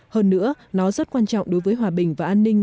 hơn nữa nó rất quan trọng đối với hòa bình và an ninh